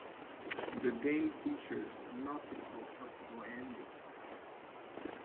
The game features multiple possible endings.